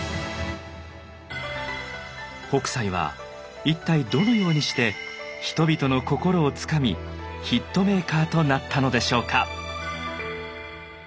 北斎は一体どのようにして人々の心をつかみヒットメーカーとなったのでしょうか。